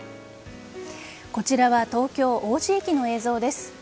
こちらは東京・王子駅の映像です。